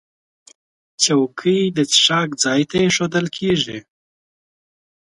چوکۍ د څښاک ځای ته ایښودل کېږي.